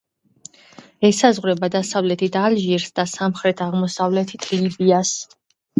ესაზღვრება დასავლეთით ალჟირს და სამხრეთ-აღმოსავლეთით ლიბიას.